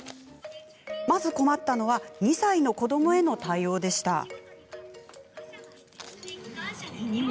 まず困ったのは２歳の子どもへの対応でした。